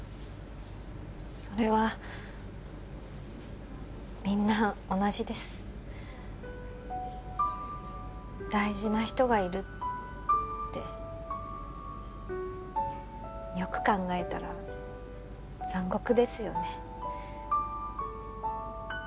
それはみんな同じです大事な人がいるってよく考えたら残酷ですよね